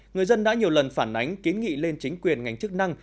người dân đã nhiều lần phản ánh kiến nghị lên chính quyền ngành chức năng